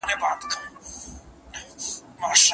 ژوند مې د عقل په ښکلا باندې راوښويدی